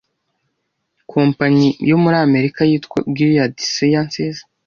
Kompanyi yo muri Amerika yitwa Gilead Sciences